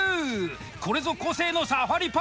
これぞ個性のサファリパーク。